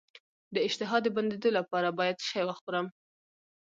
د اشتها د بندیدو لپاره باید څه شی وخورم؟